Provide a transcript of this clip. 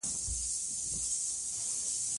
خلګ باید یوبل ته احترام ولري